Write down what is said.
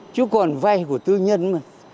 chứ còn vay của tư nhân mà